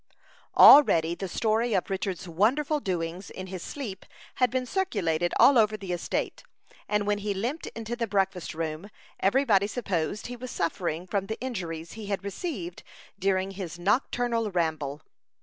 Already the story of Richard's wonderful doings in his sleep had been circulated all over the estate, and when he limped into the breakfast room, every body supposed he was suffering from the injuries he had received during his nocturnal ramble.